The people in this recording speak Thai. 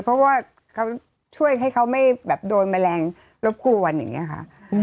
เพราะว่าเขาช่วยให้เขาไม่แบบโดนแมลงรบกวนอย่างนี้ค่ะ